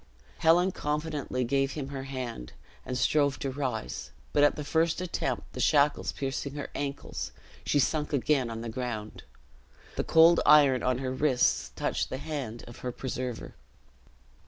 Helen confidently gave him her hand, and strove to rise; but at the first attempt, the shackles piercing her ankles, she sunk again on the ground. The cold iron on her wrists touched the hand of her preserver.